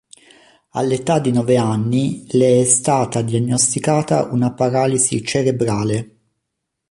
All'età di nove anni le è stata diagnosticata una paralisi cerebrale.